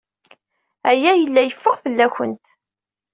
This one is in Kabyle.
Aya yella yeffeɣ fell-awent.